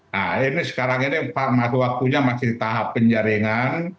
nah ini sekarang ini waktu waktunya masih tahap penjaringan